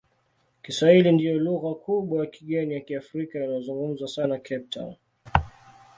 Kiswahili ndiyo lugha kubwa ya kigeni ya Kiafrika inayozungumzwa sana Cape Town.